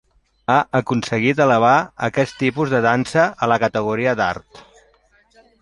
Ha aconseguit elevar aquest tipus de dansa a la categoria d'art.